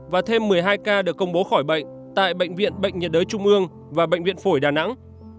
và thêm một mươi hai ca được công bố khỏi bệnh tại bệnh viện bệnh nhiệt đới trung ương và bệnh viện phổi đà nẵng